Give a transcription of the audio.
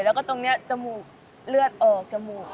แล้วก็ตรงนี้จมูกเลือดออกจมูก